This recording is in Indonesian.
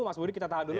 mas budi kita tahan dulu